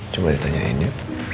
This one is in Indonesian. coba ditanyain ya